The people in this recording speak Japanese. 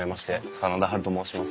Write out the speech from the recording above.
真田ハルと申します。